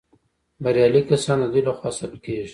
بریالي کسان د دوی لخوا ثبت کیږي.